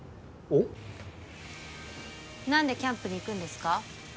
なんでキャンプに行くんですか？